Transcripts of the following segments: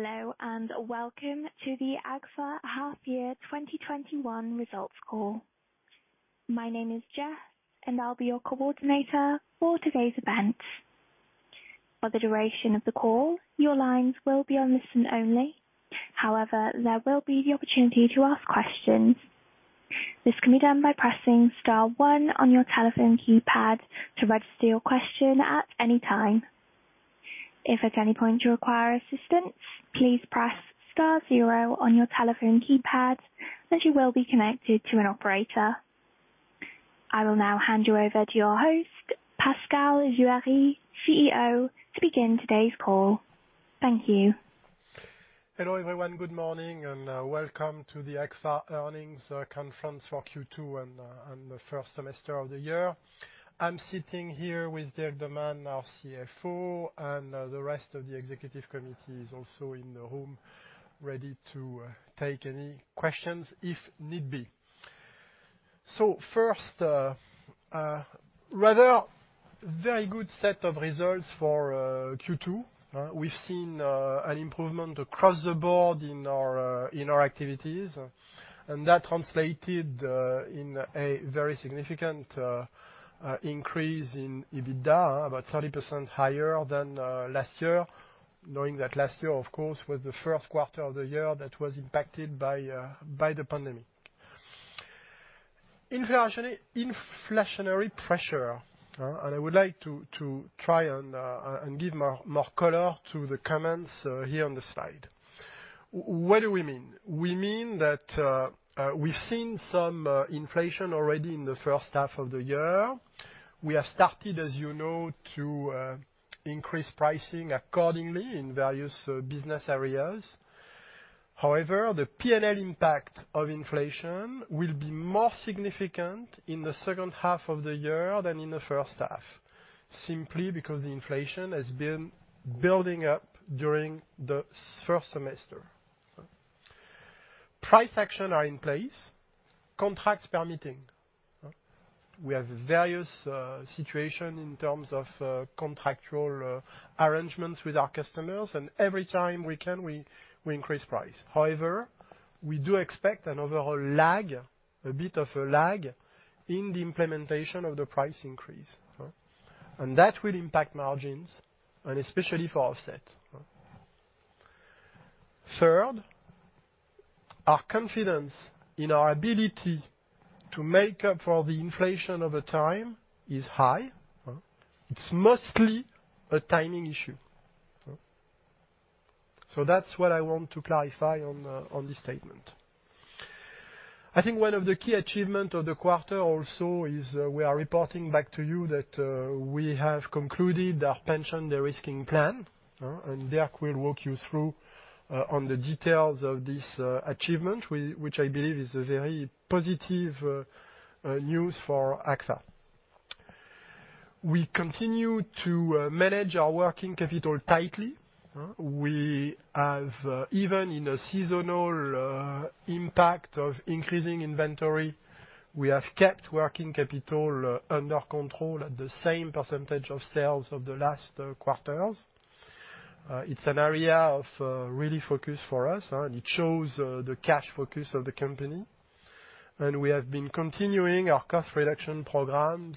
Hello, and welcome to the Agfa Half-Year 2021 Results Call. My name is Jess, and I'll be your coordinator for today's event. For the duration of the call, your lines will be on listen only. However, there will be the opportunity to ask questions. This can be done by pressing star one on your telephone keypad to register your question at any time. If at any point you require assistance, please press star zero on your telephone keypad, and you will be connected to an operator. I will now hand you over to your host, Pascal Juéry, CEO, to begin today's call. Thank you. Hello, everyone. Good morning, welcome to the Agfa earnings conference for Q2 and the first semester of the year. I'm sitting here with Dirk De Man, our CFO, the rest of the executive committee is also in the room, ready to take any questions if need be. First, rather very good set of results for Q2. We've seen an improvement across the board in our activities, that translated in a very significant increase in EBITDA, about 30% higher than last year, knowing that last year, of course, was the first quarter of the year that was impacted by the pandemic. Inflationary pressure. I would like to try and give more color to the comments here on the slide. What do we mean? We mean that we've seen some inflation already in the first half of the year. We have started, as you know, to increase pricing accordingly in various business areas. However, the P&L impact of inflation will be more significant in the second half of the year than in the first half, simply because the inflation has been building up during the first semester. Price action are in place, contracts permitting. We have various situation in terms of contractual arrangements with our customers. Every time we can, we increase price. However, we do expect an overall lag, a bit of a lag, in the implementation of the price increase. That will impact margins, and especially for offset. Third, our confidence in our ability to make up for the inflation over time is high. It's mostly a timing issue. That's what I want to clarify on this statement. I think one of the key achievement of the quarter also is we are reporting back to you that we have concluded our pension de-risking plan. Dirk will walk you through on the details of this achievement, which I believe is very positive news for Agfa. We continue to manage our working capital tightly. Even in a seasonal impact of increasing inventory, we have kept working capital under control at the same percentage of sales of the last quarters. It's an area of really focus for us. It shows the cash focus of the company. We have been continuing our cost reduction programs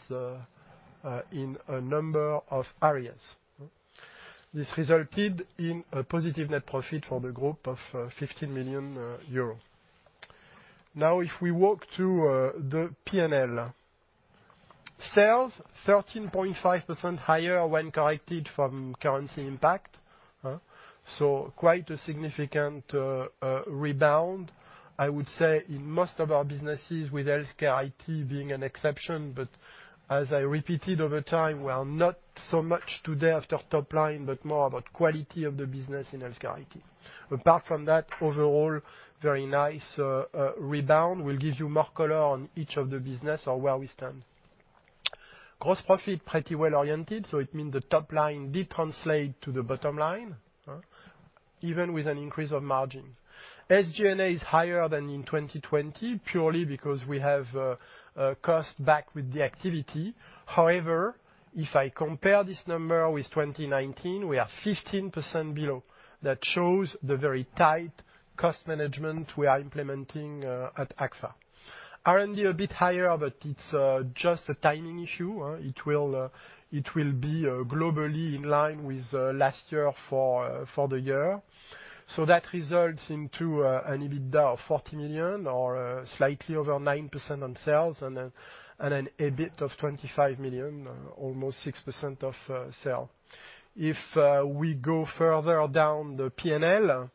in a number of areas. This resulted in a positive net profit for the group of 15 million euros. Now, if we walk through the P&L. Sales 13.5% higher when corrected from currency impact. Quite a significant rebound, I would say, in most of our businesses, with HealthCare IT being an exception. As I repeated over time, we are not so much today after top line, but more about quality of the business in HealthCare IT. Apart from that, overall, very nice rebound. We'll give you more color on each of the business on where we stand. Gross profit pretty well-oriented, so it means the top line did translate to the bottom line, even with an increase of margin. SG&A is higher than in 2020, purely because we have cost back with the activity. If I compare this number with 2019, we are 15% below. That shows the very tight cost management we are implementing at Agfa. R&D a bit higher, but it's just a timing issue. It will be globally in line with last year for the year. That results into an EBITDA of 40 million or slightly over 9% on sales and an EBIT of 25 million, almost 6% of sale. If we go further down the P&L,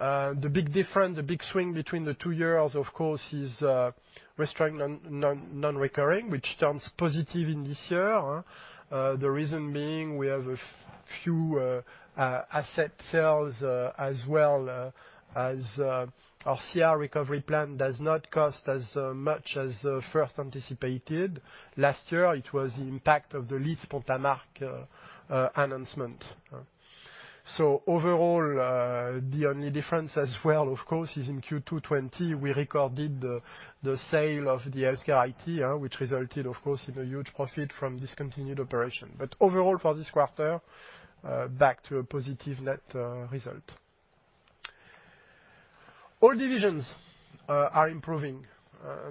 the big difference, the big swing between the two years, of course, is restructuring non-recurring, which turns positive in this year. The reason being we have a few asset sales as well as our CR recovery plan does not cost as much as first anticipated. Last year, it was the impact of the Leeds Pont-à-Marcq announcement. Overall, the only difference as well, of course, is in Q2 2020, we recorded the sale of the HealthCare IT, which resulted, of course, in a huge profit from discontinued operation. Overall for this quarter, back to a positive net result. All divisions are improving.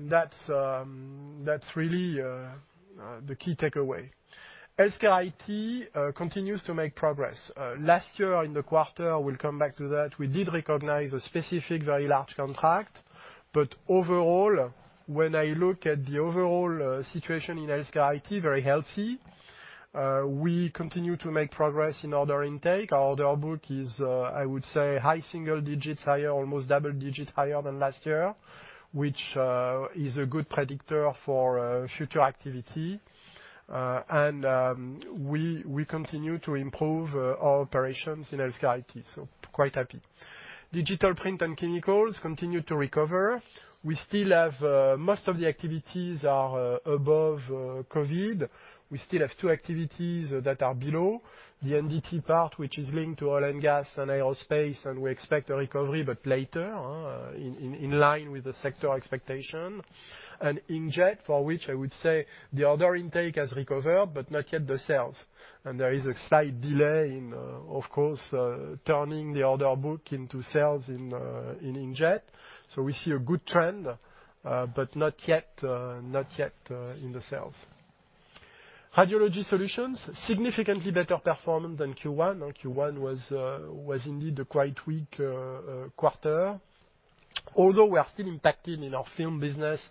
That's really the key takeaway. HealthCare IT continues to make progress. Last year in the quarter, we'll come back to that, we did recognize a specific, very large contract. Overall, when I look at the overall situation in HealthCare IT, very healthy. We continue to make progress in order intake. Our order book is, I would say high single digits, almost double digits higher than last year, which is a good predictor for future activity. We continue to improve our operations in HealthCare IT, quite happy. Digital print and chemicals continue to recover. Most of the activities are above COVID. We still have two activities that are below. The NDT part, which is linked to oil and gas and aerospace, we expect a recovery, but later, in line with the sector expectation. Inkjet, for which I would say the order intake has recovered, not yet the sales. There is a slight delay in, of course, turning the order book into sales in inkjet. We see a good trend, but not yet in the sales. Radiology Solutions, significantly better performance than Q1. Q1 was indeed a quite weak quarter. Although we are still impacted in our film business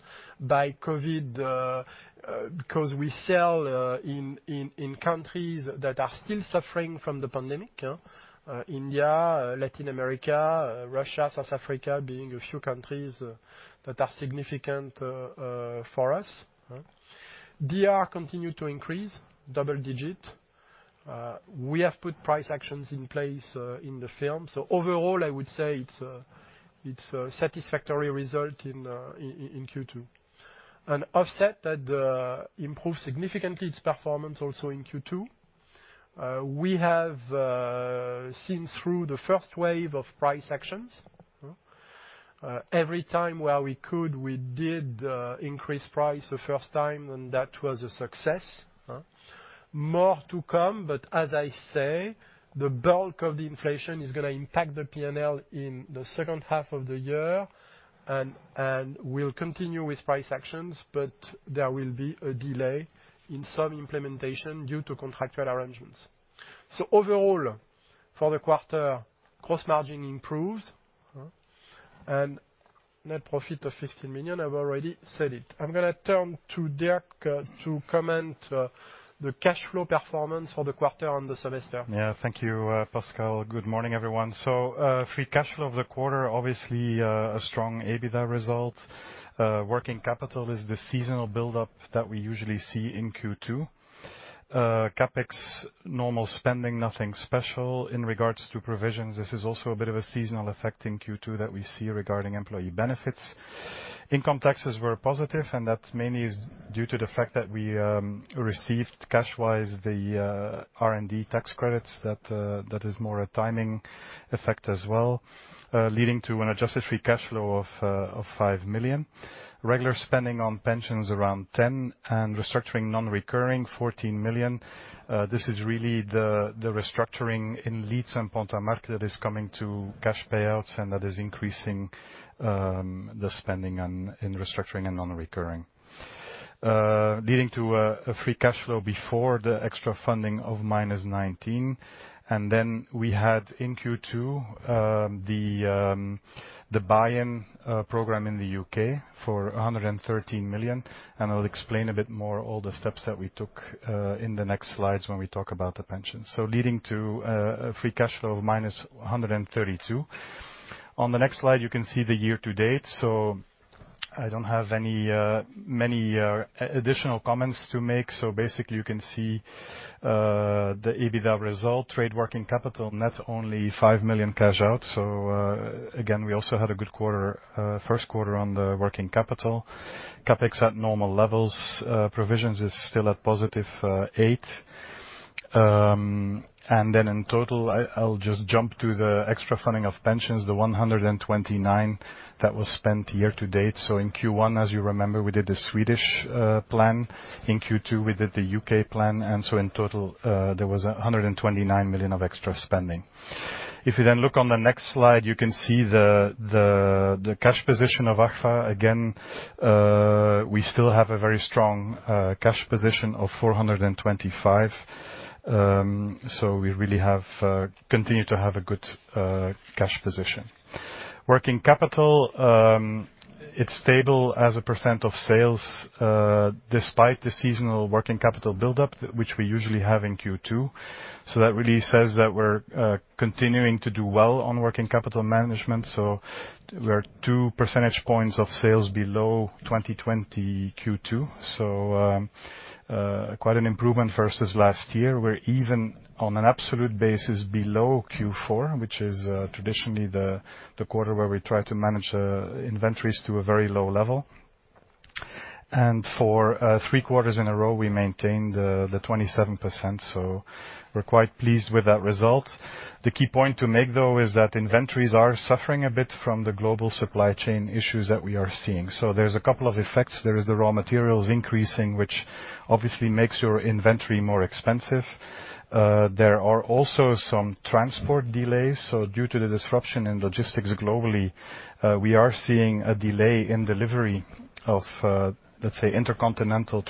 by COVID, because we sell in countries that are still suffering from the pandemic. India, Latin America, Russia, South Africa, being a few countries that are significant for us. DR continue to increase, double-digit. We have put price actions in place in the film. Overall, I would say it's a satisfactory result in Q2. Offset that improved significantly its performance also in Q2. We have seen through the first wave of price actions. Every time where we could, we did increase price the first time, and that was a success. More to come, but as I say, the bulk of the inflation is going to impact the P&L in the second half of the year. We'll continue with price actions, but there will be a delay in some implementation due to contractual arrangements. Overall, for the quarter, gross margin improves. Net profit of 15 million, I've already said it. I'm going to turn to Dirk to comment the cash flow performance for the quarter and the semester. Yeah. Thank you, Pascal. Good morning, everyone. Free cash flow of the quarter, obviously, a strong EBITDA result. Working capital is the seasonal buildup that we usually see in Q2. CapEx, normal spending, nothing special. In regards to provisions, this is also a bit of a seasonal effect in Q2 that we see regarding employee benefits. Income taxes were positive, and that mainly is due to the fact that we received cash-wise the R&D tax credits. That is more a timing effect as well, leading to an adjusted free cash flow of 5 million. Regular spending on pensions around 10 million, and restructuring non-recurring 14 million. This is really the restructuring in Leeds and Pont-à-Marcq that is coming to cash payouts, and that is increasing the spending in restructuring and non-recurring. Leading to a free cash flow before the extra funding of minus 19 million. Then we had in Q2, the buy-in program in the U.K. for 113 million. I'll explain a bit more all the steps that we took in the next slides when we talk about the pensions. Leading to a free cash flow of minus 132. On the next slide, you can see the year to date. I don't have many additional comments to make. Basically, you can see the EBITDA result. Trade working capital, net only 5 million cash out. Again, we also had a good first quarter on the working capital. CapEx at normal levels. Provisions is still at positive 8. Then in total, I'll just jump to the extra funding of pensions, the 129 that was spent year to date. In Q1, as you remember, we did the Swedish plan. In Q2, we did the U.K. plan. In total, there was 129 million of extra spending. On the next slide, you can see the cash position of Agfa. We still have a very strong cash position of 425. We really continue to have a good cash position. Working capital, it's stable as a % of sales, despite the seasonal working capital buildup, which we usually have in Q2. That really says that we're continuing to do well on working capital management. We're 2 percentage points of sales below 2020 Q2. Quite an improvement versus last year. We're even, on an absolute basis, below Q4, which is traditionally the quarter where we try to manage inventories to a very low level. For three quarters in a row, we maintained the 27%, we're quite pleased with that result. The key point to make, though, is that inventories are suffering a bit from the global supply chain issues that we are seeing. There's two effects. There is the raw materials increasing, which obviously makes your inventory more expensive. There are also some transport delays. Due to the disruption in logistics globally, we are seeing a delay in delivery of, let's say, intercontinental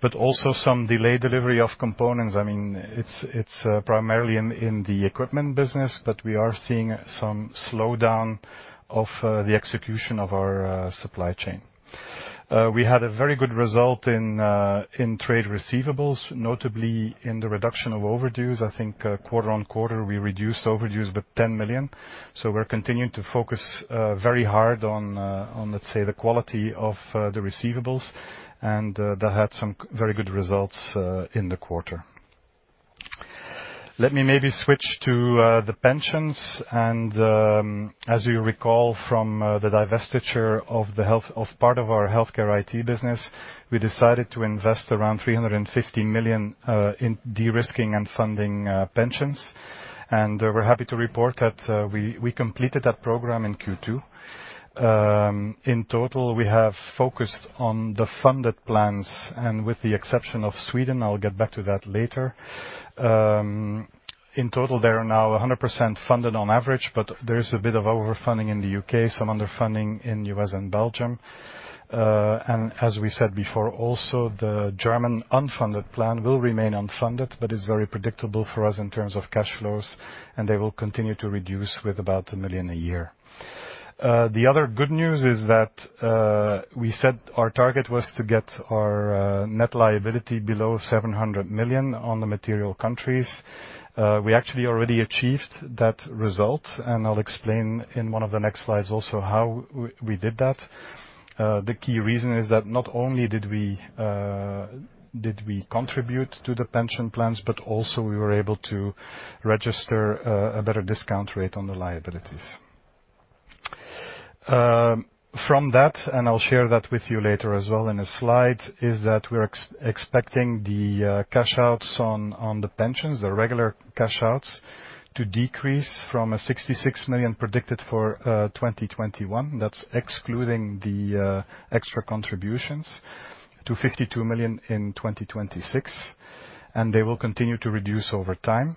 transport. Also some delayed delivery of components. It's primarily in the equipment business, but we are seeing some slowdown of the execution of our supply chain. We had a very good result in trade receivables, notably in the reduction of overdues. I think quarter on quarter, we reduced overdues by 10 million. We're continuing to focus very hard on, let's say, the quality of the receivables, and that had some very good results in the quarter. Let me maybe switch to the pensions. As you recall from the divestiture of part of our HealthCare IT business, we decided to invest around 350 million in de-risking and funding pensions. We're happy to report that we completed that program in Q2. In total, we have focused on the funded plans. With the exception of Sweden, I'll get back to that later. In total, they are now 100% funded on average. There is a bit of over-funding in the U.K., some underfunding in U.S. and Belgium. As we said before, also the German unfunded plan will remain unfunded. It is very predictable for us in terms of cash flows. They will continue to reduce with about 1 million a year. The other good news is that we said our target was to get our net liability below 700 million on the material countries. We actually already achieved that result, and I'll explain in one of the next slides also how we did that. The key reason is that not only did we contribute to the pension plans, but also we were able to register a better discount rate on the liabilities. From that, and I'll share that with you later as well in a slide, is that we're expecting the cash outs on the pensions, the regular cash outs, to decrease from a 66 million predicted for 2021. That's excluding the extra contributions to 52 million in 2026, and they will continue to reduce over time.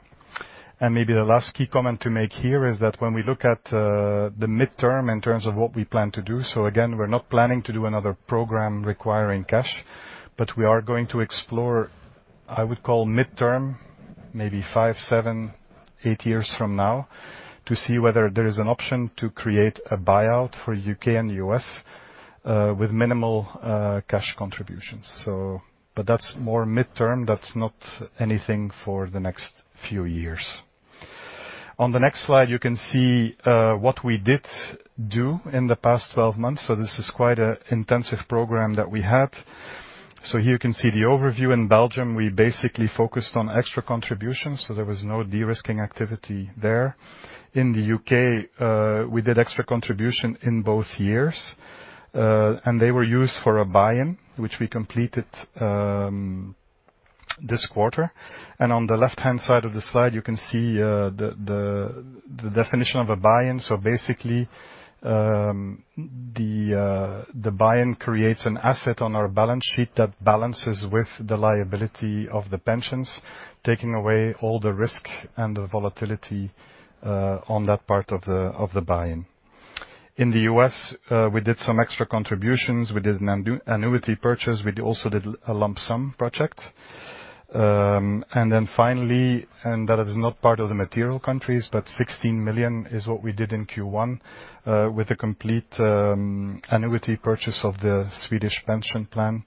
The last key comment to make here is that when we look at the midterm in terms of what we plan to do, again, we're not planning to do another program requiring cash, but we are going to explore, I would call midterm, maybe five, seven, eight years from now, to see whether there is an option to create a buyout for U.K. and U.S. with minimal cash contributions. That's more midterm. That's not anything for the next few years. On the next slide, you can see what we did do in the past 12 months. This is quite an intensive program that we had. Here you can see the overview. In Belgium, we basically focused on extra contributions, so there was no de-risking activity there. In the U.K., we did extra contribution in both years, and they were used for a buy-in, which we completed this quarter. On the left-hand side of the slide, you can see the definition of a buy-in. Basically, the buy-in creates an asset on our balance sheet that balances with the liability of the pensions, taking away all the risk and the volatility on that part of the buy-in. In the U.S., we did some extra contributions. We did an annuity purchase. We also did a lump sum project. Finally, and that is not part of the material countries, but 16 million is what we did in Q1 with a complete annuity purchase of the Swedish pension plan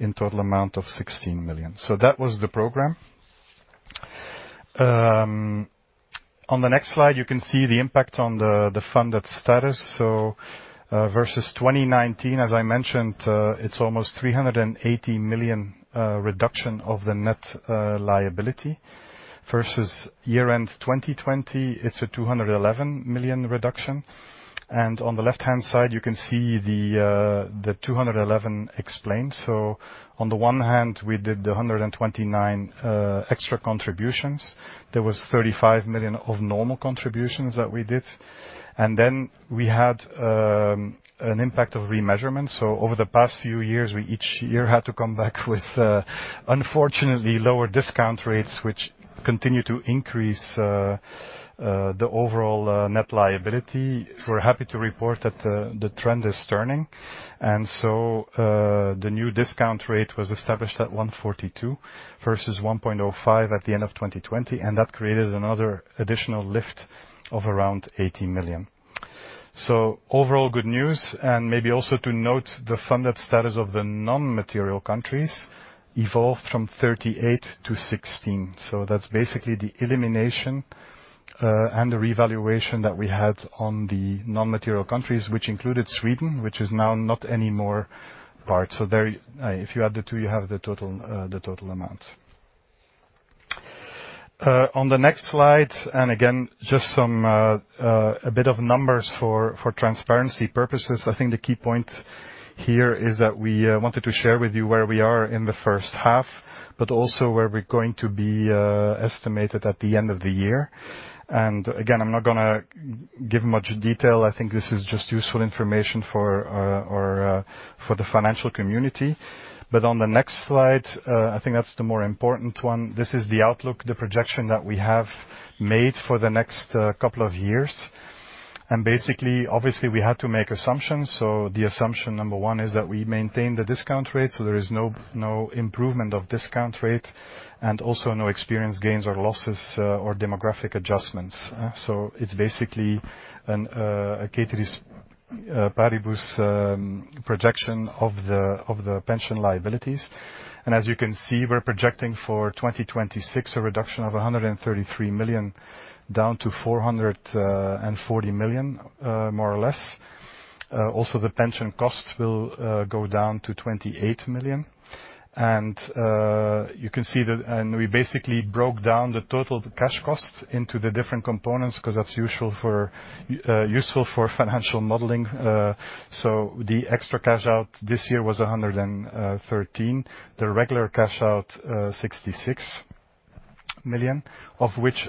in total amount of 16 million. That was the program. On the next slide, you can see the impact on the funded status. Versus 2019, as I mentioned, it's almost 380 million reduction of the net liability. Versus year-end 2020, it's a 211 million reduction. On the left-hand side, you can see the 211 million explained. On the one hand, we did the 129 extra contributions. There was 35 million of normal contributions that we did. We had an impact of remeasurement. Over the past few years, we each year had to come back with, unfortunately, lower discount rates, which continue to increase the overall net liability. We're happy to report that the trend is turning. The new discount rate was established at 142 versus 1.05 at the end of 2020, and that created another additional lift of around 80 million. Overall, good news, and maybe also to note, the funded status of the non-material countries evolved from 38% to 16%. That's basically the elimination and the revaluation that we had on the non-material countries, which included Sweden, which is now not anymore part. There, if you add the two, you have the total amount. On the next slide, and again, just a bit of numbers for transparency purposes. I think the key point here is that we wanted to share with you where we are in the first half, but also where we're going to be estimated at the end of the year. Again, I'm not going to give much detail. I think this is just useful information for the financial community. On the next slide, I think that's the more important one. This is the outlook, the projection that we have made for the next couple of years. Basically, obviously, we had to make assumptions. The assumption number one is that we maintain the discount rate, so there is no improvement of discount rate, and also no experience gains or losses or demographic adjustments. It's basically a ceteris paribus projection of the pension liabilities. As you can see, we're projecting for 2026 a reduction of 133 million down to 440 million, more or less. The pension cost will go down to 28 million. You can see that we basically broke down the total cash costs into the different components because that's useful for financial modeling. The extra cash out this year was 113. The regular cash out, 66 million, of which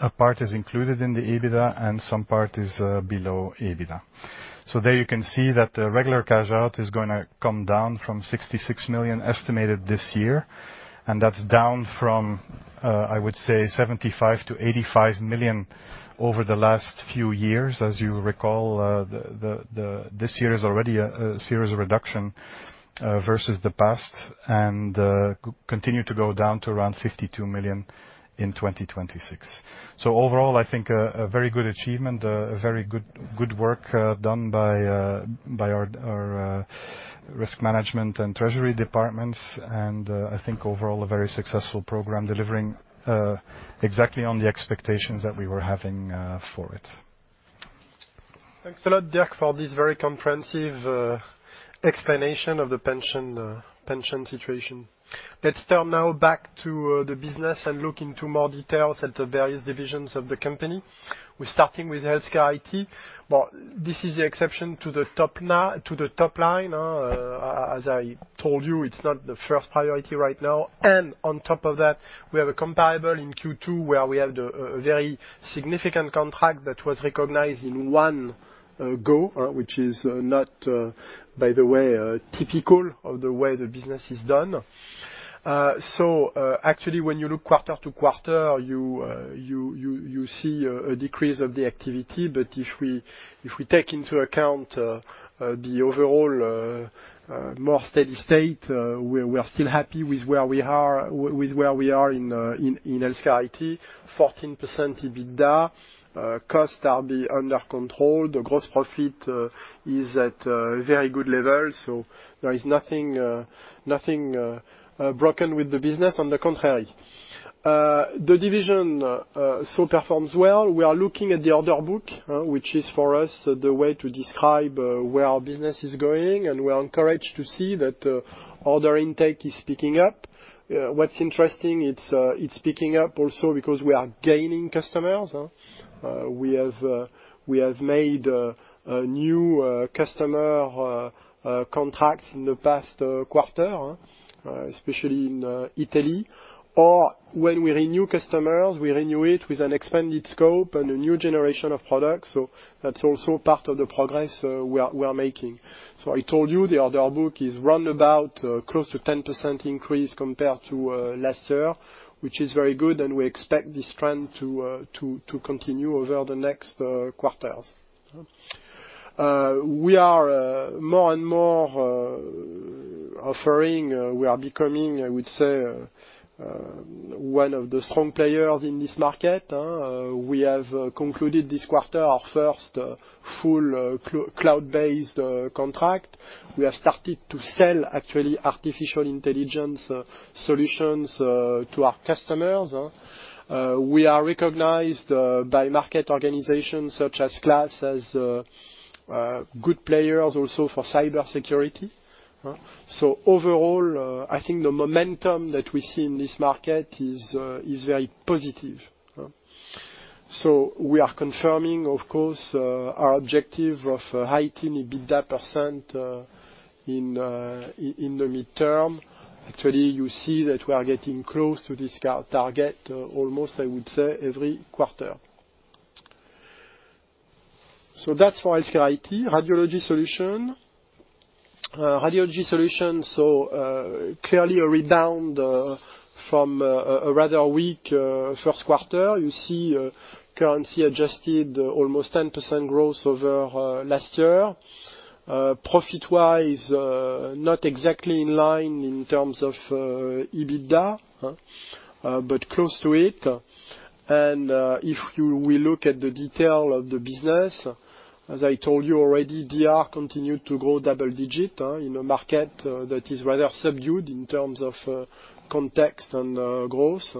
a part is included in the EBITDA and some part is below EBITDA. There you can see that the regular cash out is going to come down from 66 million estimated this year. That's down from, I would say, 75 million-85 million over the last few years. As you recall, this year is already a series of reduction versus the past and continue to go down to around 52 million in 2026. Overall, I think a very good achievement, very good work done by our risk management and treasury departments, and I think overall a very successful program delivering exactly on the expectations that we were having for it. Thanks a lot, Dirk, for this very comprehensive explanation of the pension situation. Let's turn now back to the business and look into more details at the various divisions of the company. We're starting with HealthCare IT. Well, this is the exception to the top line. As I told you, it's not the first priority right now. On top of that, we have a comparable in Q2 where we had a very significant contract that was recognized in one go, which is not, by the way, typical of the way the business is done. Actually, when you look quarter to quarter, you see a decrease of the activity. If we take into account the overall more steady state, we are still happy with where we are in HealthCare IT, 14% EBITDA. Costs are under control. The gross profit is at a very good level. There is nothing broken with the business. On the contrary. The division still performs well. We are looking at the order book, which is for us the way to describe where our business is going, and we are encouraged to see that order intake is picking up. What's interesting, it's picking up also because we are gaining customers. We have made a new customer contract in the past quarter, especially in Italy. When we renew customers, we renew it with an expanded scope and a new generation of products. That's also part of the progress we are making. I told you, the order book is round about close to 10% increase compared to last year, which is very good, and we expect this trend to continue over the next quarters. We are more and more offering, we are becoming, I would say, one of the strong players in this market. We have concluded this quarter our first full cloud-based contract. We have started to sell actually artificial intelligence solutions to our customers. We are recognized by market organizations such as KLAS as good players also for cybersecurity. Overall, I think the momentum that we see in this market is very positive. We are confirming, of course, our objective of a high teen EBITDA % in the midterm. Actually, you see that we are getting close to this target almost, I would say, every quarter. That's for HealthCare IT. Radiology Solutions. Radiology Solutions, so clearly a rebound from a rather weak first quarter. You see currency adjusted almost 10% growth over last year. Profit-wise, not exactly in line in terms of EBITDA, but close to it. If you will look at the detail of the business, as I told you already, DR continued to grow double-digit in a market that is rather subdued in terms of context and growth.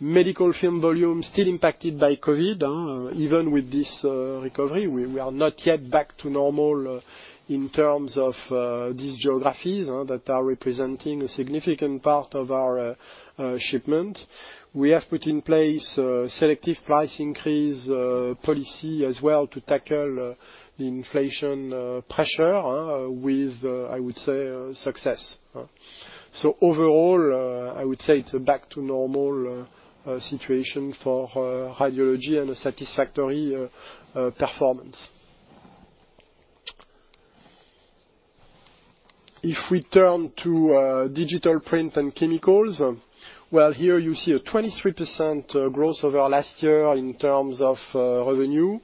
Medical film volume still impacted by COVID. Even with this recovery, we are not yet back to normal in terms of these geographies that are representing a significant part of our shipment. We have put in place a selective price increase policy as well to tackle the inflation pressure with, I would say, success. Overall, I would say it's a back-to-normal situation for radiology and a satisfactory performance. If we turn to Digital Print and Chemicals, well, here you see a 23% growth over last year in terms of revenue.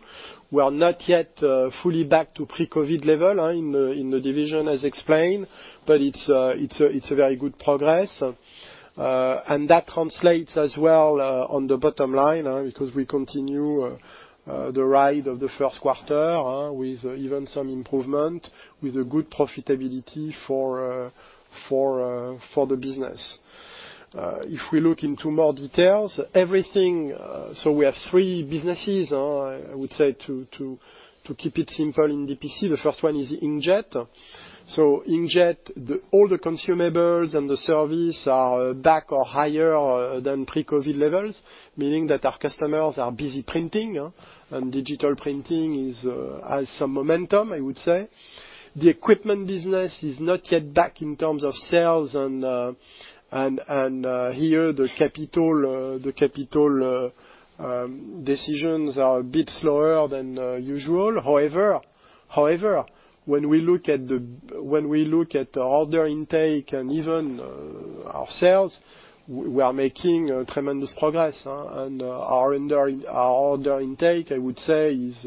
We are not yet fully back to pre-COVID level in the division as explained, but it's a very good progress. That translates as well on the bottom line, because we continue the ride of the first quarter with even some improvement, with a good profitability for the business. If we look into more details, we have three businesses, I would say, to keep it simple in DPC. The first one is Inkjet. Inkjet, all the consumables and the service are back or higher than pre-COVID levels, meaning that our customers are busy printing and digital printing has some momentum, I would say. The equipment business is not yet back in terms of sales here the capital decisions are a bit slower than usual. However, when we look at order intake and even our sales, we are making tremendous progress, and our order intake, I would say, is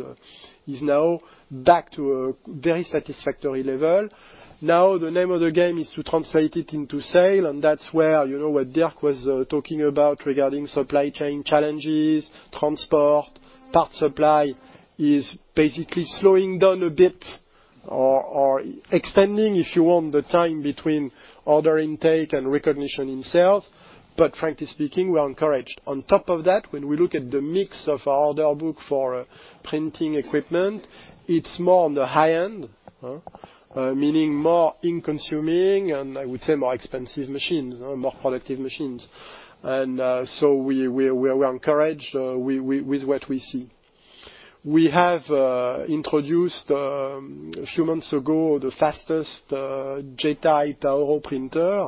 now back to a very satisfactory level. Now the name of the game is to translate it into sale, and that's where, what Dirk was talking about regarding supply chain challenges, transport, part supply, is basically slowing down a bit or extending, if you want, the time between order intake and recognition in sales. Frankly speaking, we're encouraged. On top of that, when we look at the mix of our order book for printing equipment, it's more on the high end. Meaning more ink consuming and I would say more expensive machines, more productive machines. We're encouraged with what we see. We have introduced a few months ago, the fastest Jeti Tauro printer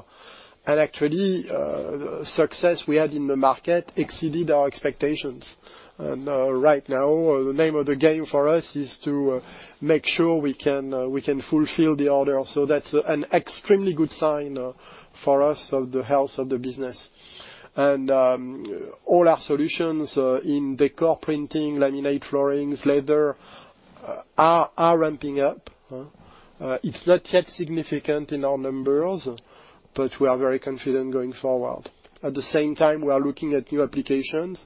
and actually, the success we had in the market exceeded our expectations. Right now, the name of the game for us is to make sure we can fulfill the order. That's an extremely good sign for us of the health of the business. All our solutions in decor printing, laminate floorings, leather, are ramping up. It's not yet significant in our numbers, but we are very confident going forward. At the same time, we are looking at new applications.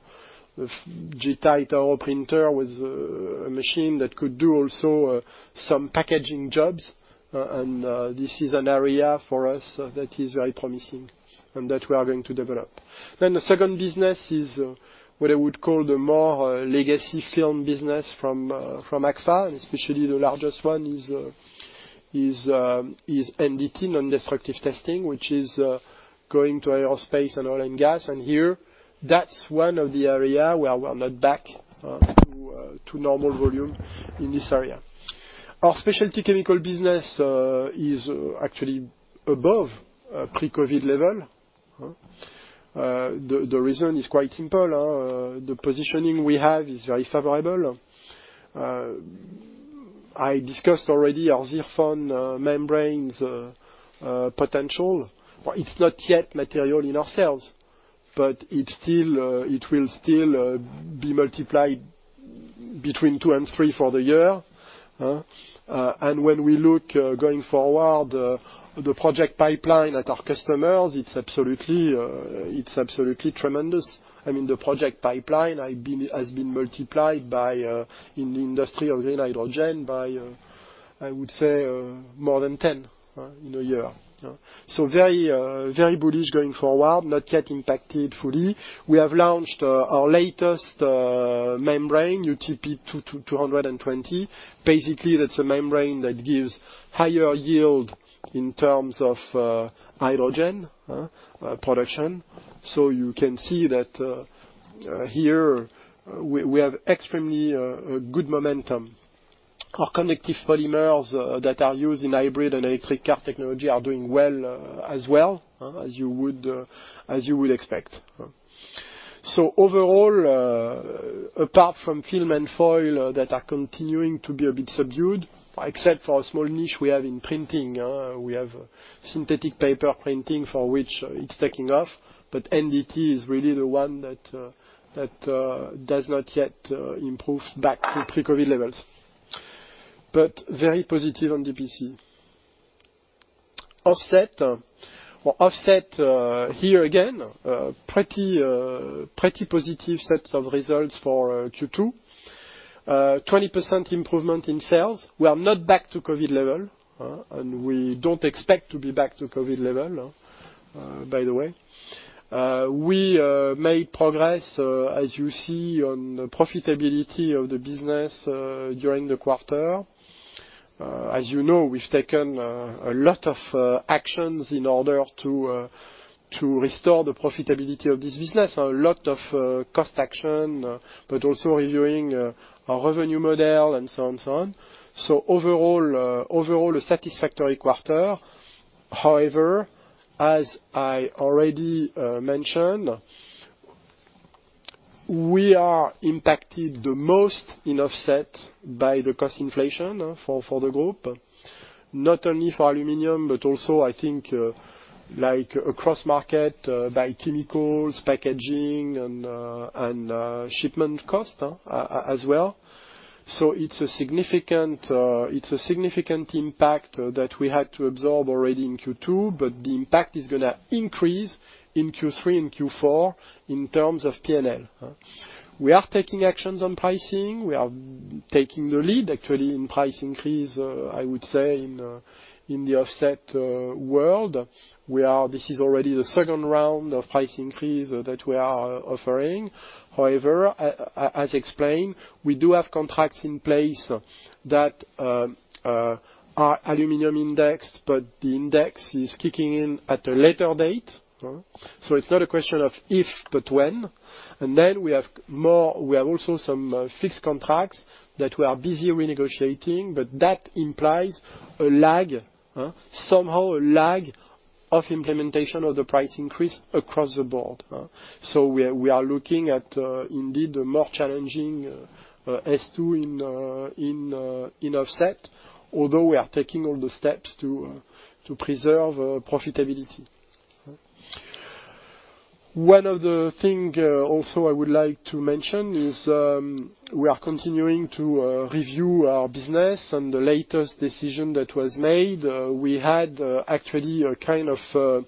The Jeti Tauro printer was a machine that could do also some packaging jobs and this is an area for us that is very promising and that we are going to develop. The second business is what I would call the more legacy film business from Agfa, and especially the largest one is NDT, non-destructive testing, which is going to aerospace and oil and gas. Here, that's one of the area where we're not back to normal volume in this area. Our specialty chemical business is actually above pre-COVID level. The reason is quite simple. The positioning we have is very favorable. I discussed already our ZIRFON membranes potential. It's not yet material in our sales, but it will still be multiplied between two and three for the year. When we look going forward, the project pipeline at our customers, it's absolutely tremendous. The project pipeline has been multiplied in the industry of green hydrogen by, I would say, more than 10 in a year. Very bullish going forward, not yet impacted fully. We have launched our latest membrane, ZIRFON UTP 220. Basically, that's a membrane that gives higher yield in terms of hydrogen production. You can see that here we have extremely good momentum. Our conductive polymers that are used in hybrid and electric car technology are doing well as well, as you would expect. Overall, apart from film and foil that are continuing to be a bit subdued, except for a small niche we have in printing. We have synthetic paper printing for which it's taking off, but NDT is really the one that does not yet improve back to pre-COVID levels. Very positive on DPC. Offset. Offset here again, pretty positive sets of results for Q2. 20% improvement in sales. We are not back to COVID level, and we don't expect to be back to COVID level, by the way. We made progress, as you see, on profitability of the business during the quarter. As you know, we've taken a lot of actions in order to restore the profitability of this business. A lot of cost action, but also reviewing our revenue model and so on. Overall, a satisfactory quarter. As I already mentioned. We are impacted the most in offset by the cost inflation for the group, not only for aluminum, but also I think across market by chemicals, packaging, and shipment cost as well. It's a significant impact that we had to absorb already in Q2, but the impact is going to increase in Q3 and Q4 in terms of P&L. We are taking actions on pricing. We are taking the lead actually in price increase, I would say, in the offset world. This is already the second round of price increase that we are offering. As explained, we do have contracts in place that are aluminum indexed, but the index is kicking in at a later date. It's not a question of if, but when. We have also some fixed contracts that we are busy renegotiating, that implies a lag, somehow a lag of implementation of the price increase across the board. We are looking at indeed a more challenging S2 in offset, although we are taking all the steps to preserve profitability. One other thing also I would like to mention is we are continuing to review our business and the latest decision that was made. We had actually a kind of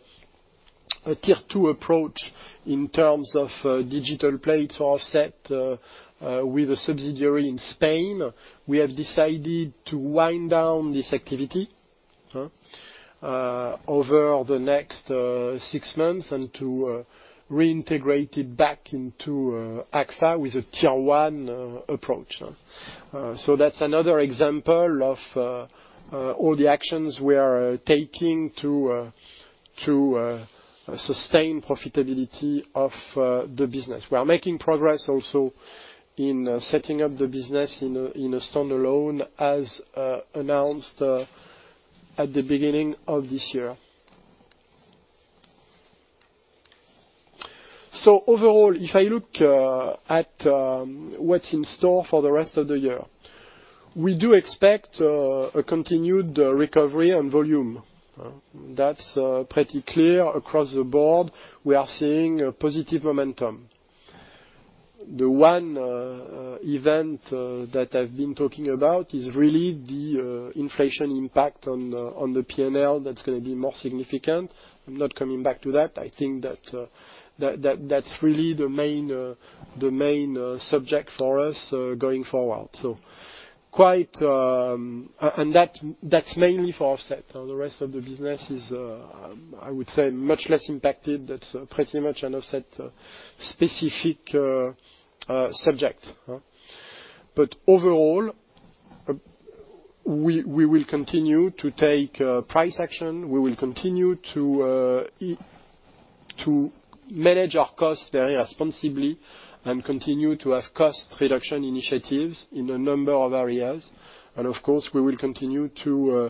a Tier 2 approach in terms of digital plates for offset with a subsidiary in Spain. We have decided to wind down this activity over the next six months and to reintegrate it back into Agfa with a Tier 1 approach. That's another example of all the actions we are taking to sustain profitability of the business. We are making progress also in setting up the business in a standalone, as announced at the beginning of this year. Overall, if I look at what's in store for the rest of the year, we do expect a continued recovery on volume. That's pretty clear across the board. We are seeing a positive momentum. The one event that I've been talking about is really the inflation impact on the P&L that's going to be more significant. I'm not coming back to that. I think that's really the main subject for us going forward. That's mainly for offset. The rest of the business is, I would say, much less impacted. That's pretty much an offset-specific subject. Overall, we will continue to take price action. We will continue to manage our costs very responsibly and continue to have cost reduction initiatives in a number of areas. Of course, we will continue to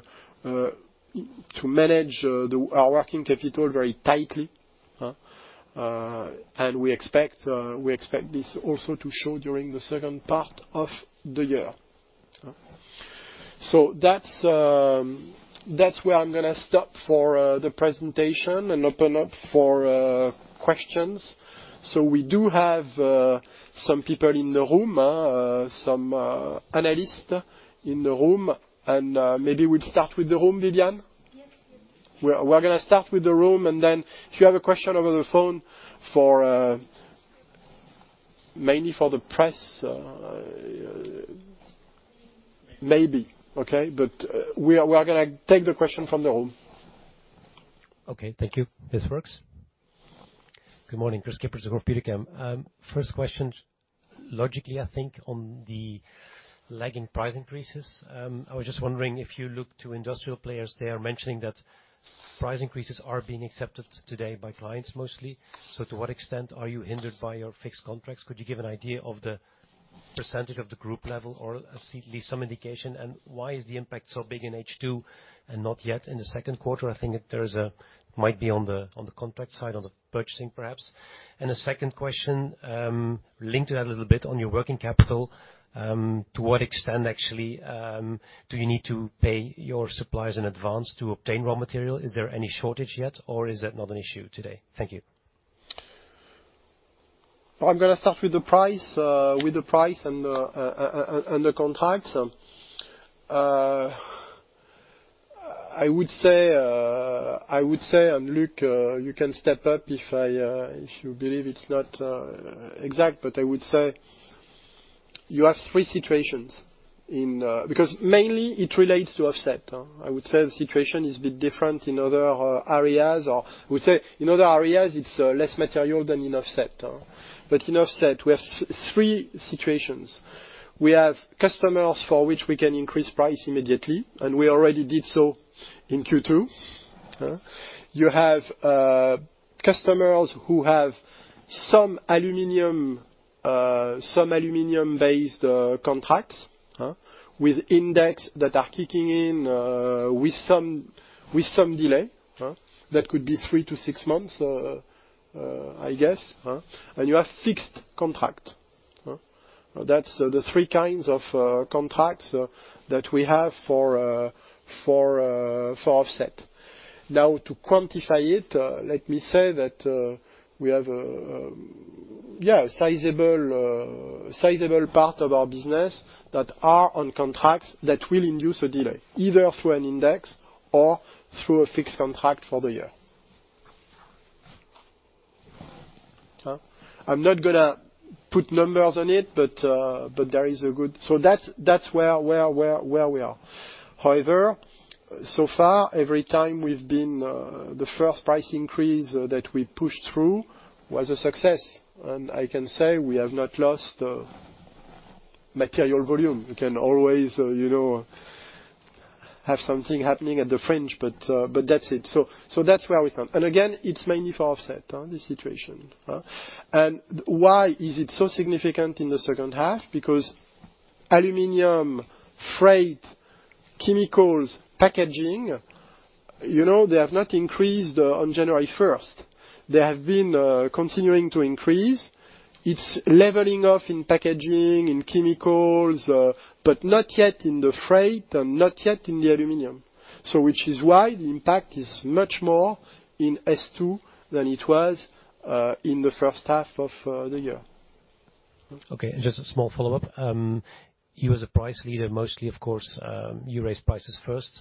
manage our working capital very tightly. We expect this also to show during the second part of the year. That's where I'm going to stop for the presentation and open up for questions. We do have some people in the room, some analysts in the room, and maybe we'll start with the room, Viviane? Yes. We're going to start with the room, and then if you have a question over the phone mainly for the press, maybe, okay? We are going to take the question from the room. Okay. Thank you. This works. Good morning, Kris Kippers of Degroof Petercam. First question, logically, on the lagging price increases. I was just wondering if you look to industrial players, they are mentioning that price increases are being accepted today by clients mostly. To what extent are you hindered by your fixed contracts? Could you give an idea of the percentage of the group level or at least some indication? Why is the impact so big in H2 and not yet in the second quarter? That might be on the contract side of the purchasing, perhaps. A second question, linked to that a little bit on your working capital. To what extent actually do you need to pay your suppliers in advance to obtain raw material? Is there any shortage yet, or is that not an issue today? Thank you. I'm going to start with the price and the contracts. I would say, and Luc, you can step up if you believe it's not exact, but I would say you have three situations. Mainly it relates to offset. I would say the situation is a bit different in other areas, or I would say in other areas, it's less material than in offset. In offset, we have three situations. We have customers for which we can increase price immediately, and we already did so in Q2. You have customers who have some aluminum-based contracts with index that are kicking in with some delay. That could be three to six months, I guess. You have fixed contract. That's the three kinds of contracts that we have for offset. Now, to quantify it, let me say that we have a sizable part of our business that are on contracts that will induce a delay, either through an index or through a fixed contract for the year. I'm not going to put numbers on it. So that's where we are. However, so far, every time, the first price increase that we pushed through was a success. I can say we have not lost material volume. We can always have something happening at the fringe, but that's it. That's where we stand. Again, it's mainly for offset, this situation. Why is it so significant in the second half? Aluminum, freight, chemicals, packaging, they have not increased on January 1st. They have been continuing to increase. It's leveling off in packaging, in chemicals, but not yet in the freight and not yet in the aluminum. Which is why the impact is much more in H2 than it was in the first half of the year. Okay, just a small follow-up. You as a price leader, mostly, of course, you raise prices first.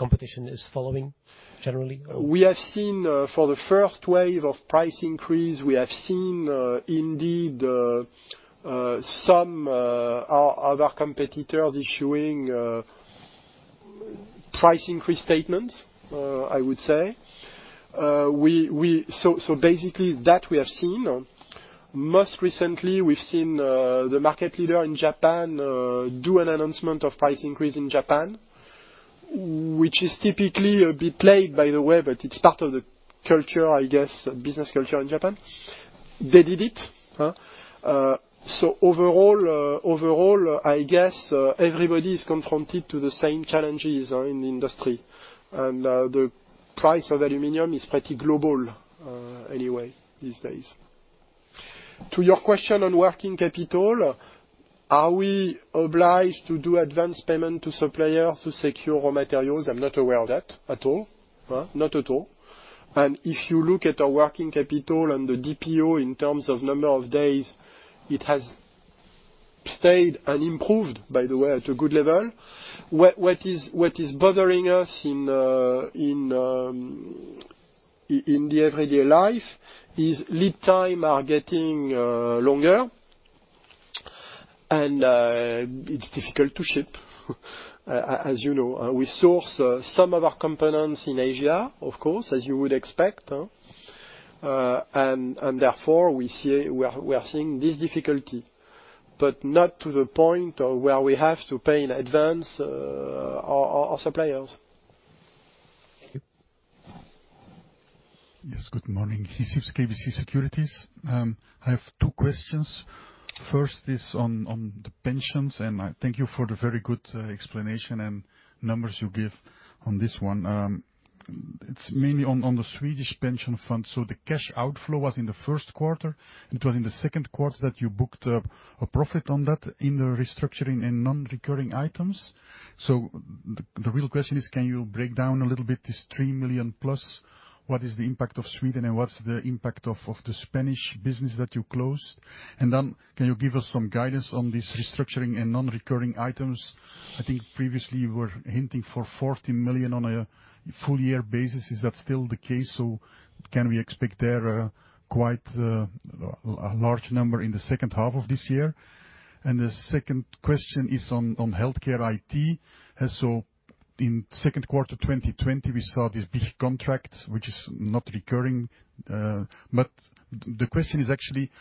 Competition is following, generally? We have seen for the first wave of price increase, we have seen indeed some of our competitors issuing price increase statements, I would say. Basically, that we have seen. Most recently, we've seen the market leader in Japan do an announcement of price increase in Japan, which is typically a bit late, by the way, but it's part of the culture, I guess, business culture in Japan. They did it. Overall, I guess everybody is confronted to the same challenges in the industry. The price of aluminum is pretty global anyway these days. To your question on working capital, are we obliged to do advance payment to suppliers to secure raw materials? I'm not aware of that at all. Not at all. If you look at our working capital and the DPO in terms of number of days, it has stayed and improved, by the way, at a good level. What is bothering us in the everyday life is lead time are getting longer, and it's difficult to ship. As you know, we source some of our components in Asia, of course, as you would expect. Therefore, we are seeing this difficulty, but not to the point where we have to pay in advance our suppliers. Thank you. Yes, good morning. Guy Sips, KBC Securities. I have two questions. First is on the pensions. Thank you for the very good explanation and numbers you give on this one. It's mainly on the Swedish pension fund. The cash outflow was in the first quarter, it was in the second quarter that you booked a profit on that in the restructuring and non-recurring items. The real question is, can you break down a little bit this 3 million+? What is the impact of Sweden and what's the impact of the Spanish business that you closed? Can you give us some guidance on this restructuring and non-recurring items? I think previously you were hinting for 40 million on a full year basis. Is that still the case? Can we expect there quite a large number in the second half of this year? The second question is on HealthCare IT. In second quarter 2020, we saw this big contract, which is not recurring. The question is actually,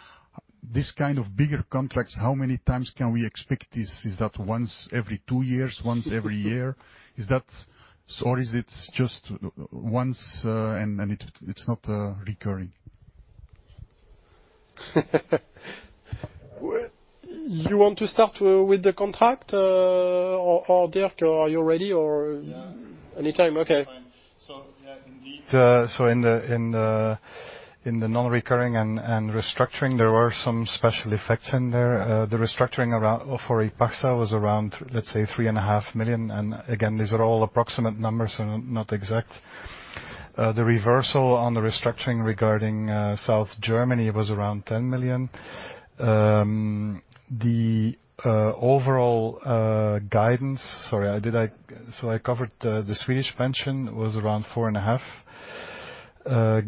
this kind of bigger contracts, how many times can we expect this? Is that once every two years, once every year? Is it just once, and it's not recurring? You want to start with the contract? Dirk, are you ready? Yeah. Anytime, okay. That's fine. Yeah, indeed. In the non-recurring and restructuring, there were some special effects in there. The restructuring for Ipagsa was around, let's say three and a half million, and again, these are all approximate numbers, not exact. The reversal on the restructuring regarding South Germany was around 10 million. I covered the Swedish pension was around four and a half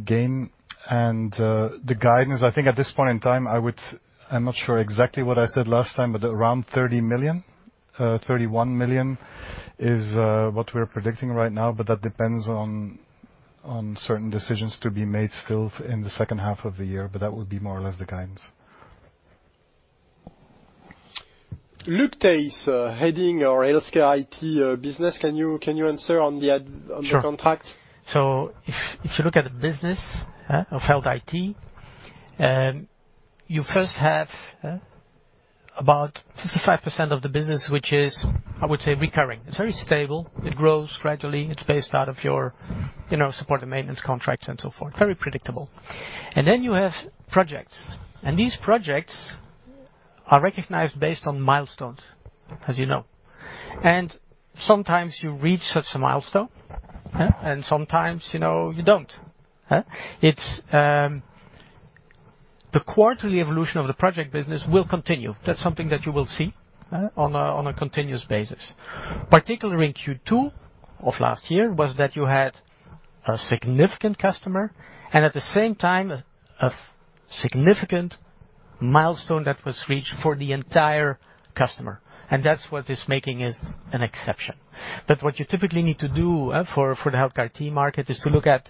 gain. The guidance, I think at this point in time, I'm not sure exactly what I said last time, but around 30 million, 31 million is what we're predicting right now, but that depends on certain decisions to be made still in the second half of the year. That would be more or less the guidance. Luc Thijs is heading our HealthCare IT business. Can you answer on the contract? Sure. If you look at the business of HealthCare IT, you first have about 55% of the business, which is, I would say, recurring. It's very stable. It grows gradually. It's based out of your support and maintenance contracts and so forth. Very predictable. Then you have projects, and these projects are recognized based on milestones, as you know. Sometimes you reach such a milestone, and sometimes you don't. The quarterly evolution of the project business will continue. That's something that you will see on a continuous basis. Particular in Q2 of last year was that you had a significant customer and at the same time, a significant milestone that was reached for the entire customer. That's what is making it an exception. What you typically need to do for the HealthCare IT market is to look at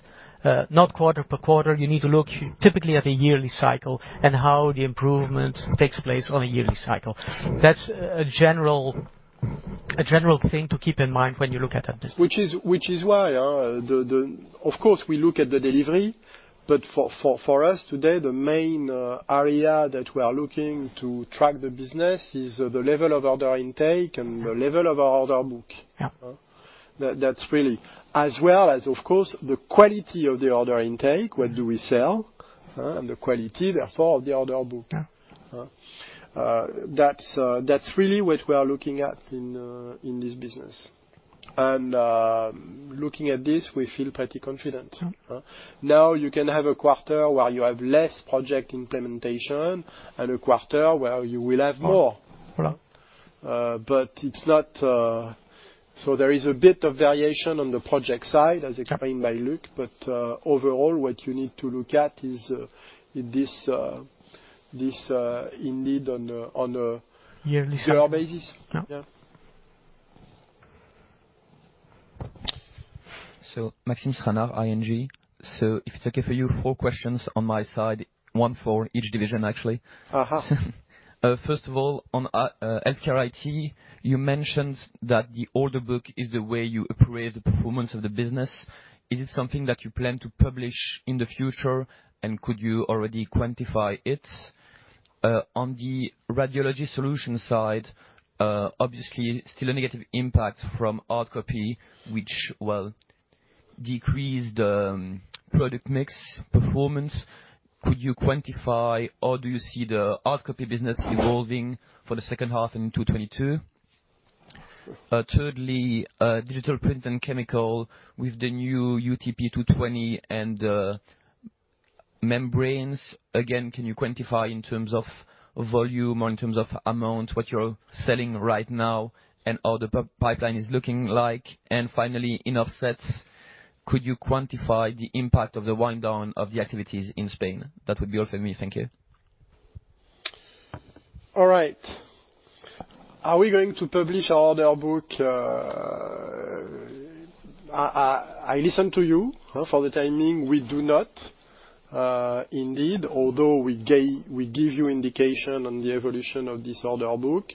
not quarter per quarter. You need to look typically at a yearly cycle and how the improvement takes place on a yearly cycle. That's a general thing to keep in mind when you look at that business. Of course, we look at the delivery. For us today, the main area that we are looking to track the business is the level of order intake and the level of our order book. Yeah. As well as, of course, the quality of the order intake. What do we sell? The quality, therefore, of the order book. Yeah. That's really what we are looking at in this business. Looking at this, we feel pretty confident. You can have a quarter where you have less project implementation and a quarter where you will have more. Voila. There is a bit of variation on the project side, as explained by Luc. Overall, what you need to look at is this indeed. Yearly basis. Yeah. Yeah. Maxime Stranart, ING. If it's okay for you, 4 questions on my side, 1 for each division, actually. First of all, on HealthCare IT, you mentioned that the order book is the way you appraise the performance of the business. Is it something that you plan to publish in the future, and could you already quantify it? On the Radiology Solutions side, obviously still a negative impact from hardcopy, which, well, decreased product mix performance. Could you quantify, or do you see the hardcopy business evolving for the second half in 2022? Thirdly, Digital Print & Chemicals with the new ZIRFON UTP 220 and membranes. Again, can you quantify in terms of volume or in terms of amount, what you're selling right now and how the pipeline is looking like? Finally, in Offset, could you quantify the impact of the wind down of the activities in Spain? That would be all for me. Thank you. All right. Are we going to publish our order book? I listen to you. For the time being, we do not, indeed, although we give you indication on the evolution of this order book.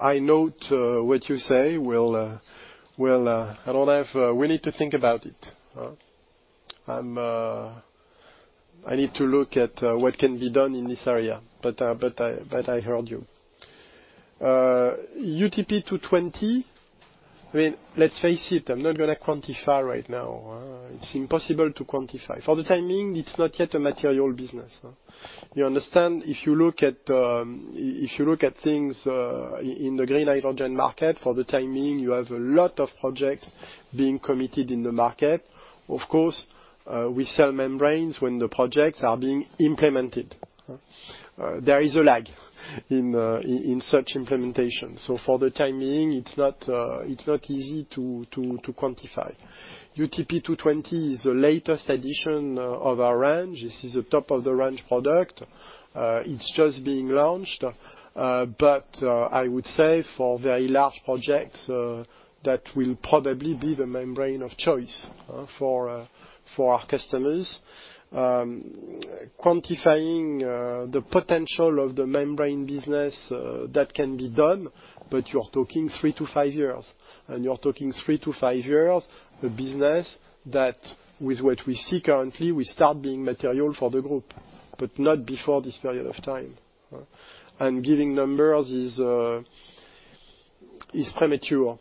I note what you say. We need to think about it. I need to look at what can be done in this area, but I heard you. UTP 220, let's face it, I'm not going to quantify right now. It's impossible to quantify. For the time being, it's not yet a material business. You understand, if you look at things in the green hydrogen market, for the time being, you have a lot of projects being committed in the market. We sell membranes when the projects are being implemented. There is a lag in such implementation. For the time being, it's not easy to quantify. UTP 220 is the latest addition of our range. This is a top-of-the-range product. It's just being launched. I would say for very large projects, that will probably be the membrane of choice for our customers. Quantifying the potential of the membrane business, that can be done, but you're talking three to five years, and you're talking three to five years, a business that with what we see currently, will start being material for the group, but not before this period of time. Giving numbers is premature.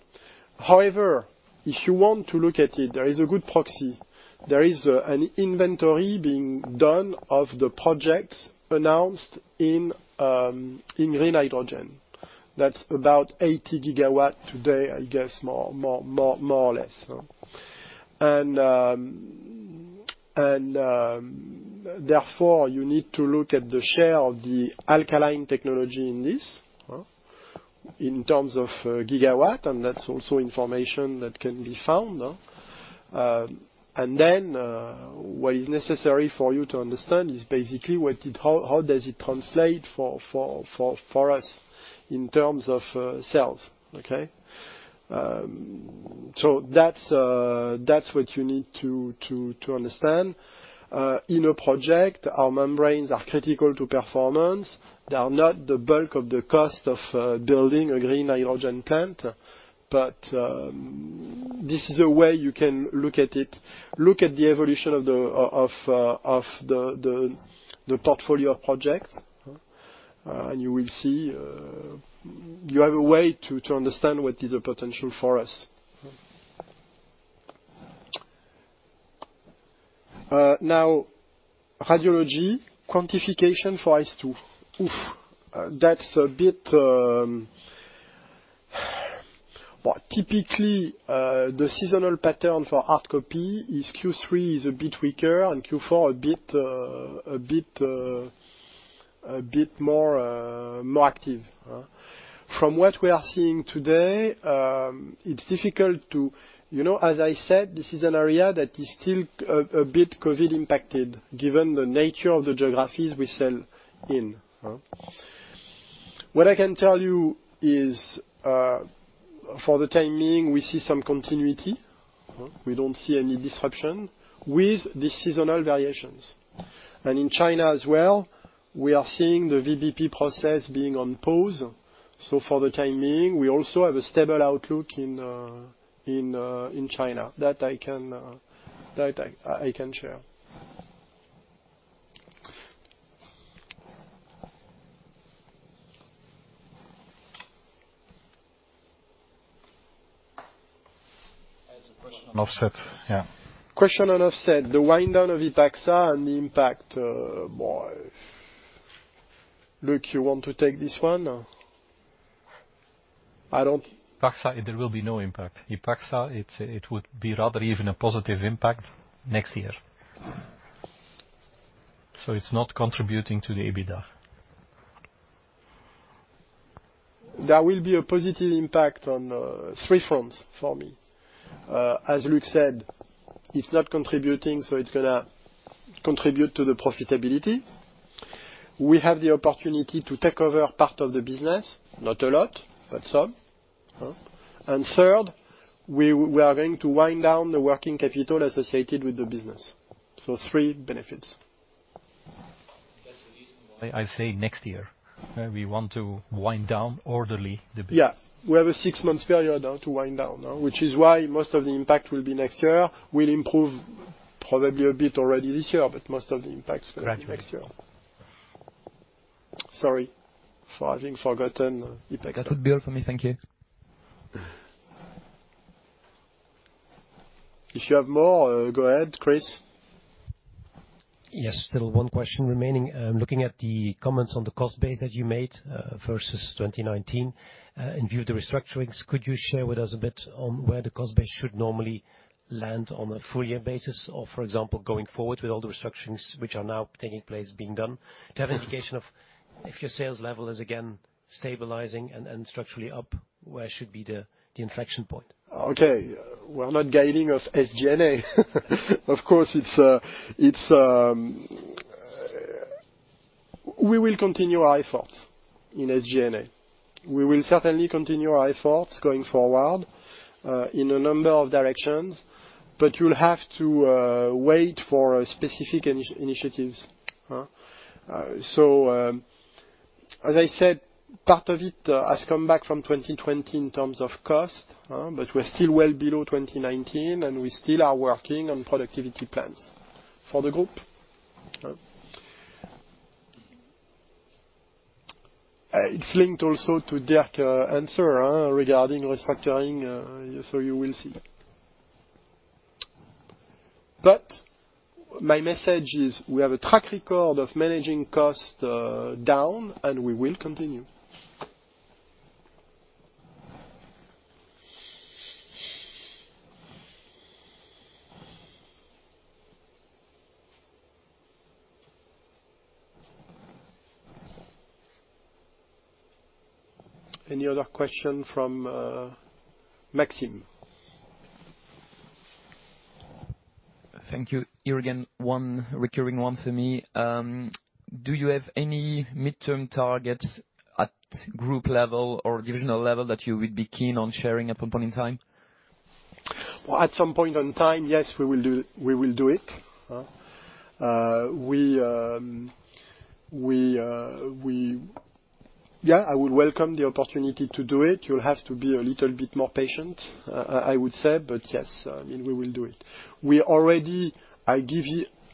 However, if you want to look at it, there is a good proxy. There is an inventory being done of the projects announced in green hydrogen. That's about 80 GW today, I guess, more or less. Therefore, you need to look at the share of the alkaline technology in this, in terms of gigawatt, and that's also information that can be found. Then what is necessary for you to understand is basically how does it translate for us in terms of sales, okay? That's what you need to understand. In a project, our membranes are critical to performance. They are not the bulk of the cost of building a green hydrogen plant. This is a way you can look at it. Look at the evolution of the portfolio of projects, and you will see you have a way to understand what is the potential for us. Now, radiology quantification for H2. Oof, that's a bit. Well, typically, the seasonal pattern for hardcopy is Q3 is a bit weaker and Q4 a bit more active. From what we are seeing today, it's difficult to as I said, this is an area that is still a bit COVID impacted given the nature of the geographies we sell in. What I can tell you is, for the time being, we see some continuity. We don't see any disruption with the seasonal variations. In China as well, we are seeing the VBP process being on pause. For the time being, we also have a stable outlook in China. That I can share. I had a question on offset, yeah. Question on offset, the wind down of Ipagsa and the impact. Boy. Luc, you want to take this one? Ipagsa, there will be no impact. Ipagsa, it would be rather even a positive impact next year. It's not contributing to the EBITDA. There will be a positive impact on three fronts for me. As Luc said, it's not contributing, it's going to contribute to the profitability. We have the opportunity to take over part of the business. Not a lot, some. Third, we are going to wind down the working capital associated with the business. Three benefits. That's the reason why I say next year. We want to wind down orderly the business. Yeah. We have a six-month period now to wind down. Which is why most of the impact will be next year, will improve probably a bit already this year, but most of the impact is going to be next year. Correct. Sorry for having forgotten Ipagsa. That would be all for me. Thank you. If you have more, go ahead, Kris. Yes, still one question remaining. Looking at the comments on the cost base that you made, versus 2019. In view of the restructurings, could you share with us a bit on where the cost base should normally land on a full year basis? For example, going forward with all the restructurings which are now taking place being done, to have an indication of if your sales level is again stabilizing and structurally up, where should be the inflection point? Okay. We're not guiding of SG&A. We will continue our efforts in SG&A. We will certainly continue our efforts going forward, in a number of directions, you'll have to wait for specific initiatives. As I said, part of it has come back from 2020 in terms of cost. We're still well below 2019, we still are working on productivity plans for the group. It's linked also to Dirk's answer regarding restructuring, you will see. My message is we have a track record of managing costs down, we will continue. Any other question from Maxime? Thank you. Here again, one recurring one for me. Do you have any midterm targets at group level or divisional level that you would be keen on sharing at some point in time? At some point in time, yes, we will do it. Yeah, I would welcome the opportunity to do it. You'll have to be a little bit more patient, I would say. Yes, we will do it.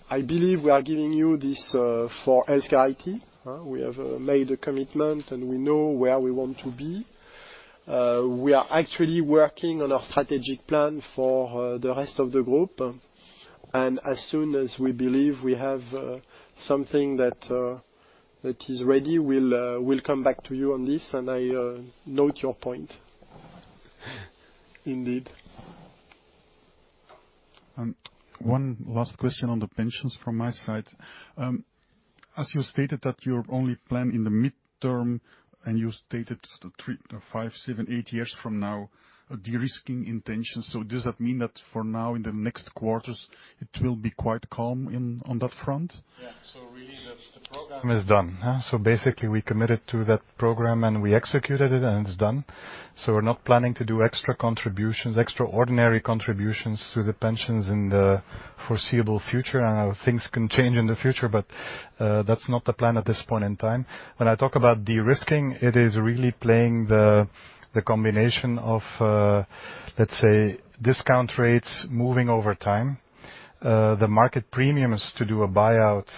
I believe we are giving you this for HealthCare IT. We have made a commitment, and we know where we want to be. We are actually working on our strategic plan for the rest of the group, and as soon as we believe we have something that is ready, we'll come back to you on this, and I note your point. Indeed. One last question on the pensions from my side. As you stated that your only plan in the midterm, and you stated the three to five, seven, eight years from now, a de-risking intention. Does that mean that for now, in the next quarters, it will be quite calm on that front? Yeah. Really, the program is done. Basically, we committed to that program, and we executed it, and it's done. We're not planning to do extra contributions, extraordinary contributions to the pensions in the foreseeable future. I know things can change in the future, but that's not the plan at this point in time. When I talk about de-risking, it is really playing the combination of, let's say, discount rates moving over time. The market premiums to do a buyout,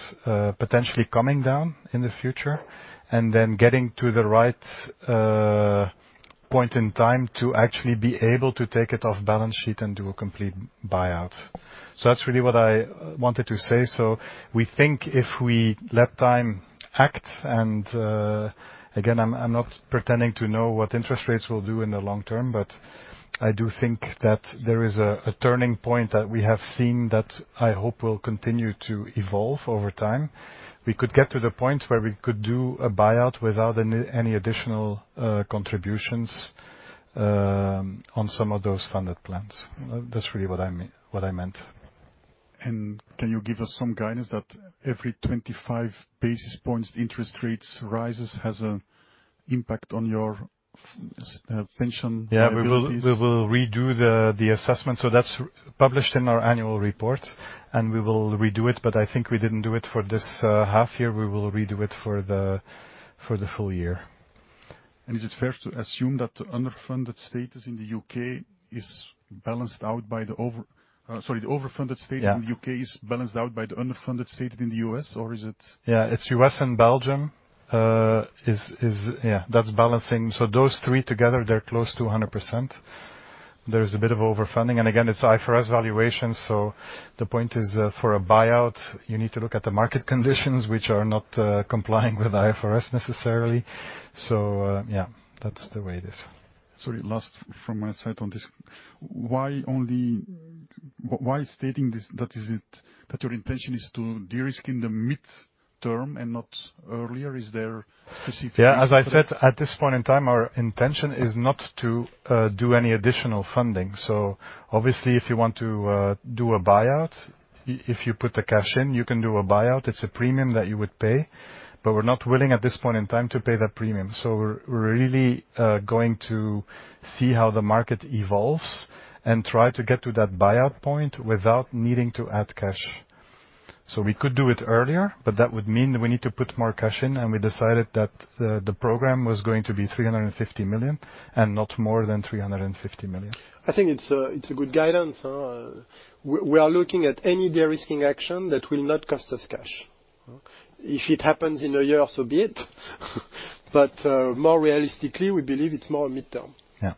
potentially coming down in the future, and then getting to the right point in time to actually be able to take it off balance sheet and do a complete buyout. That's really what I wanted to say. We think if we let time act, and again, I'm not pretending to know what interest rates will do in the long term, but I do think that there is a turning point that we have seen that I hope will continue to evolve over time. We could get to the point where we could do a buyout without any additional contributions on some of those funded plans. That's really what I meant. Can you give us some guidance that every 25 basis points interest rates rises has an impact on your pension liabilities? Yeah, we will redo the assessment. That's published in our annual report, and we will redo it, but I think we didn't do it for this half year. We will redo it for the full year. Is it fair to assume that the overfunded status in the U.K. is balanced out by the underfunded status in the U.S.? Yeah, it's U.S. and Belgium. Yeah, that's balancing. Those three together, they're close to 100%. There's a bit of overfunding. Again, it's IFRS valuation. The point is, for a buyout, you need to look at the market conditions, which are not complying with IFRS necessarily. Yeah, that's the way it is. Sorry, last from my side on this. Why stating that your intention is to de-risk in the midterm and not earlier? Is there specific-? Yeah, as I said, at this point in time, our intention is not to do any additional funding. Obviously, if you want to do a buyout, if you put the cash in, you can do a buyout. It's a premium that you would pay, but we're not willing at this point in time to pay that premium. We're really going to see how the market evolves and try to get to that buyout point without needing to add cash. We could do it earlier, but that would mean we need to put more cash in, and we decided that the program was going to be 350 million and not more than 350 million. I think it's a good guidance. We are looking at any de-risking action that will not cost us cash. If it happens in a year, so be it. More realistically, we believe it's more midterm. Yeah.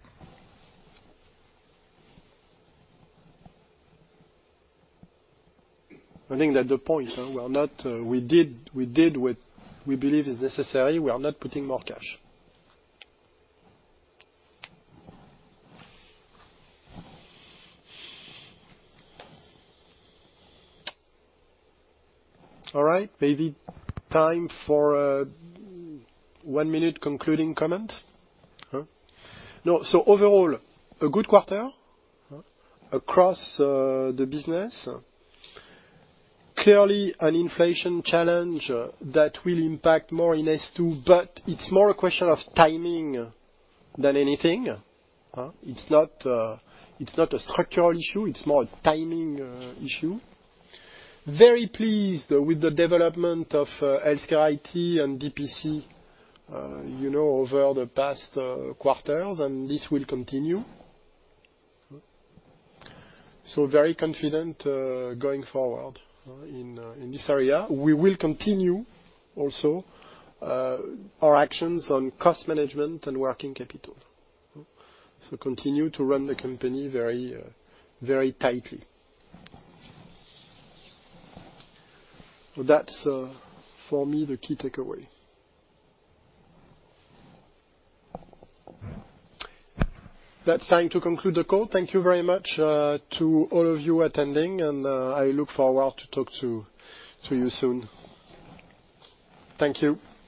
I think that's the point. We did what we believe is necessary. We are not putting more cash. All right. Maybe time for a one-minute concluding comment. Overall, a good quarter across the business. Clearly, an inflation challenge that will impact more in S2, but it's more a question of timing than anything. It's not a structural issue. It's more a timing issue. Very pleased with the development of HealthCare IT and DPC over the past quarters, and this will continue. Very confident going forward in this area. We will continue also our actions on cost management and working capital. Continue to run the company very tightly. That's, for me, the key takeaway. That's time to conclude the call. Thank you very much to all of you attending, and I look forward to talk to you soon. Thank you.